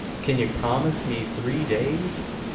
Kin ye promise me three days?"